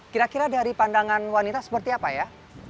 kira kira dari pandangan wanita seperti apa ya